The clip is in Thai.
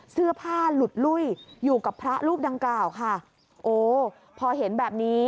เสื้อผ้าหลุดลุ้ยอยู่กับพระรูปดังกล่าวค่ะโอ้พอเห็นแบบนี้